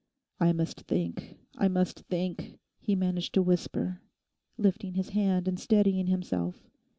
'I must think, I must think,' he managed to whisper, lifting his hand and steadying himself.